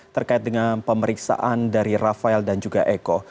terkait dengan pemeriksaan dari rafael dan juga eko